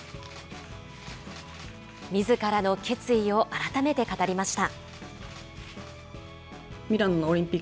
みずからの決意を改めて語りました。